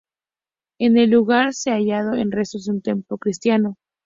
En el lugar se hallado restos de un templo cristiano.